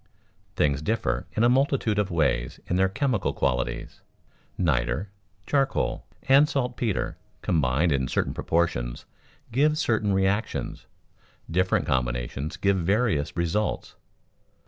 Things differ in a multitude of ways in their chemical qualities. Niter, charcoal, and saltpeter, combined in certain proportions, give certain reactions; different combinations give various results.